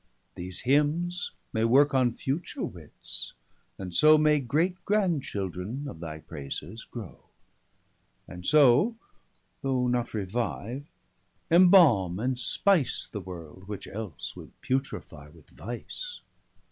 These Hymnes may worke on future wits, and so May great Grand children of thy prayses grow. And so, though not revive, embalme and spice The world, which else would putrifie with vice.